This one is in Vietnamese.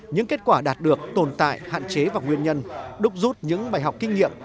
những kết quả đạt được tồn tại hạn chế và nguyên nhân đúc rút những bài học kinh nghiệm